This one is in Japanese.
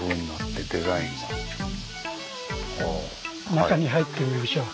中に入ってみましょう。